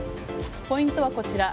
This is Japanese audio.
ポイントはこちら。